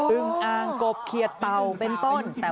ึงอ่างกบเขียดเต่าเป็นต้น